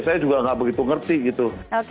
saya juga tidak begitu mengerti gitu